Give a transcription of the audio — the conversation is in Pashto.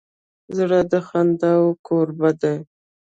زړه د خنداوو کوربه دی.